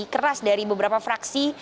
keras dari beberapa fraksi